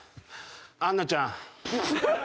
アンナちゃん。